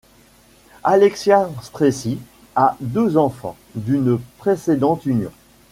Alexia Stresi a deux enfants d'une précédente union.